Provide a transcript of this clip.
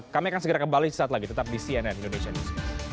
kami akan segera kembali saat lagi tetap di cnn indonesia news